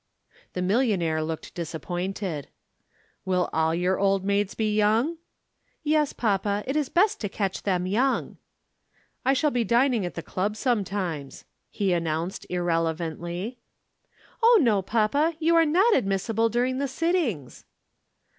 The millionaire looked disappointed. "Will all your Old Maids be young?" "Yes, papa. It is best to catch them young." "I shall be dining at the Club sometimes," he announced irrelevantly. "Oh, no, papa. You are not admissible during the sittings."